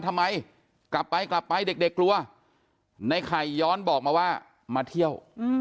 ทำไมกลับไปกลับไปเด็กกลัวในไข่ย้อนบอกมาว่ามาเที่ยว